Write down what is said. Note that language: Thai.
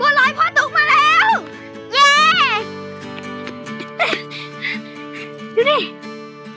ปล่อยบัวรอยพ่อตุ๊กมาแล้ว